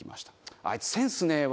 あいつセンスねえわ。